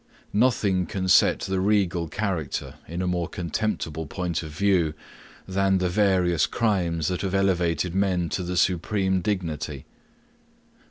Nothing can set the regal character in a more contemptible point of view, than the various crimes that have elevated men to the supreme dignity.